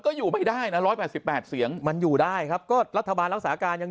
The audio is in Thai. ก็อยู่ไม่ได้นะ๑๘๘เสียงมันอยู่ได้ครับก็รัฐบาลรักษาการยัง